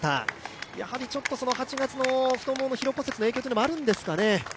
やはり８月の、太ももの疲労骨折というところもあるんですかね。